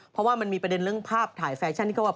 เพราะว่ามันมีประเด็นเรื่องภาพถ่ายแฟชั่นที่เขาว่า